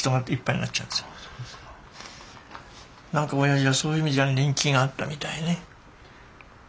なんか親父はそういう意味じゃ人気があったみたいね。